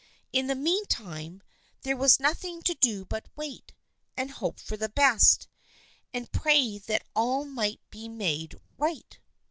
In the meantime there was nothing to do but wait, and hope for the best, and pray that all might be made right.